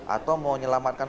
atau mau menyelamatkan